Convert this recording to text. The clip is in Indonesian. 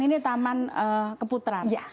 ini taman keputraan